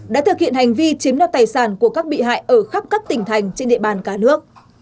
đã thực hiện hành vi chiếm đoạt tài sản của các bị hại ở khắp các tỉnh thành trên địa bàn cả nước